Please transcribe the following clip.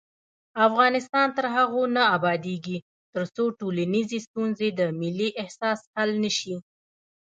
افغانستان تر هغو نه ابادیږي، ترڅو ټولنیزې ستونزې په ملي احساس حل نشي.